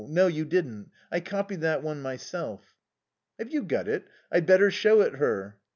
No, you didn't. I copied that one myself." "Have you got it? I'd better show it her."